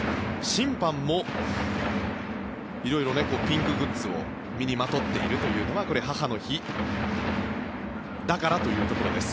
審判も色々、ピンクグッズを身にまとっているというのはこれ、母の日だからというところです。